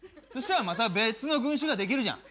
そしたらまた別の群集ができる。